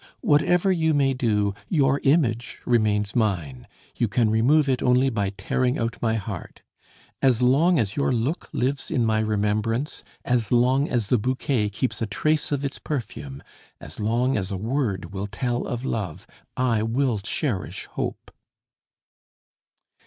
"Whatever you may do, your image remains mine; you can remove it only by tearing out my heart. As long as your look lives in my remembrance, as long as the bouquet keeps a trace of its perfume, as long as a word will tell of love, I will cherish hope."